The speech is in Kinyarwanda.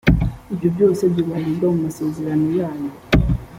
ibyo byose byubahirizwa mu masezerano yayo